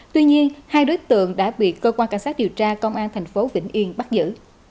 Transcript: các đối tượng đã bị cơ quan cảnh sát điều tra công an thành phố vĩnh yên bắt giữ